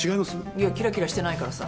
いやきらきらしてないからさ。